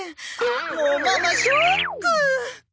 もうママショック。